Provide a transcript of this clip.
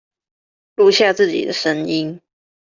錄下自己的聲音